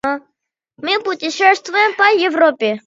Мы путешествуем по Европе.